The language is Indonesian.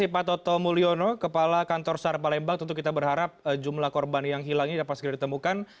pak toto mulyono kepala kantor sar palembang tentu kita berharap jumlah korban yang hilang ini dapat segera ditemukan